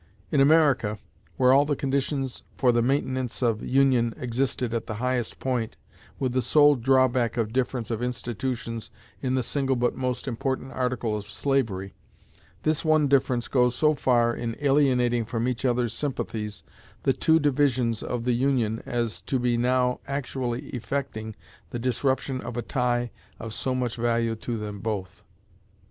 In America, where all the conditions for the maintenance of union existed at the highest point, with the sole drawback of difference of institutions in the single but most important article of slavery, this one difference goes so far in alienating from each other's sympathies the two divisions of the Union as to be now actually effecting the disruption of a tie of so much value to them both.